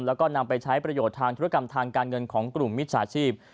แล้วก็นำไปใช้ประโยชน์ทางธุรกรรมทางการเงินของกลุ่มมิจฉาชีพ